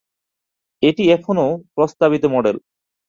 এটি এখনো প্রস্তাবিত মডেল।